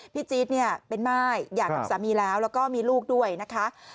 จี๊ดเนี่ยเป็นม่ายหย่ากับสามีแล้วแล้วก็มีลูกด้วยนะคะ